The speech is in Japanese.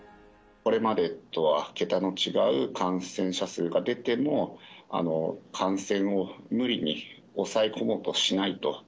これまでとは桁の違う感染者数が出ても、感染を無理に抑え込もうとしないと。